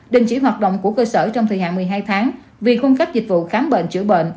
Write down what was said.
đình chỉ hoạt động của cơ sở trong thời hạn một mươi hai tháng vì cung cấp dịch vụ khám bệnh chữa bệnh